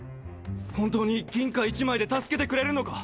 本当に銀貨１枚で助けてくれるのか？